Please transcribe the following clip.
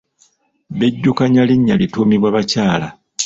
Bejjukanya linnya lituumibwa bakyala.